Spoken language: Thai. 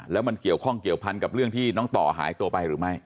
แล้วมันเกี่ยวข้องเกี่ยวพันกับเรื่องที่น้องต่อหายตัวไปหรือไม่